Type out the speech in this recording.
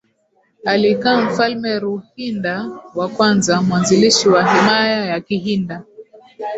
Alikaa mfalme Ruhinda wa kwanza mwanzilishi wa himaya za Kihinda